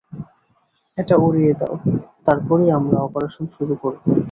এটা উড়িয়ে দাও, তারপরই আমরা অপারেশন শুরু করবো।